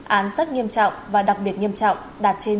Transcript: án rất nghiêm trọng và đặc biệt nghiêm trọng đạt trên chín mươi